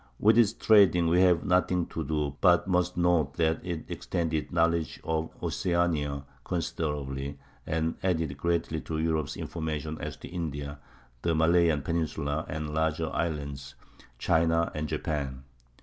With its trading we have nothing to do, but must note that it extended knowledge of Oceanica considerably, and added greatly to Europe's information as to India, the Malayan peninsula and larger islands, China, and Japan.